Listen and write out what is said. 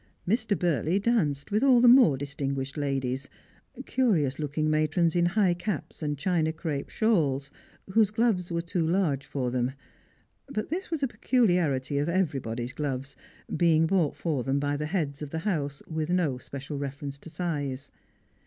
Mr. Burlej^ danced with all the more distinguished ladies ; curious looking matrons in high caps and china crape shawls, whose gloves were too large for them, but this was a peculiarity of everybody's gloves, being bought for them by the heads of the house with no special reference to size.